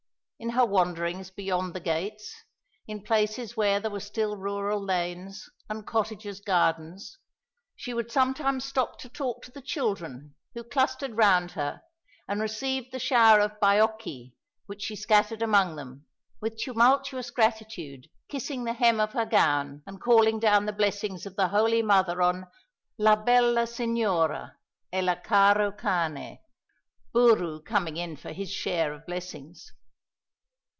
In her wanderings beyond the gates, in places where there were still rural lanes and cottagers' gardens, she would sometimes stop to talk to the children who clustered round her and received the shower of baiocchi which she scattered among them with tumultuous gratitude, kissing the hem of her gown, and calling down the blessings of the Holy Mother on "la bella Signora, e il caro cane," Boroo coming in for his share of blessings.